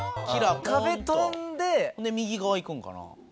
ほんで右側行くんかな？